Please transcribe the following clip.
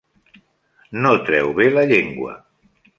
No treu bé la llengua.